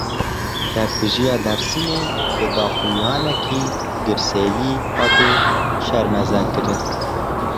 Tevkujiya Dêrsimê, bi daxuyaniyeke girseyî hate şermezarkirin